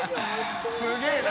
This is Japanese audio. すげぇな。）